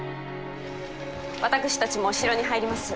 私たちも城に入ります。